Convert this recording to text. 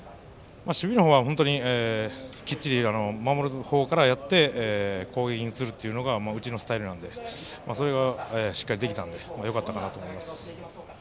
守備の方は本当にきっちり守る方からやって攻撃に移るというのがうちのスタイルなのでそれがしっかりできたのでよかったかなと思います。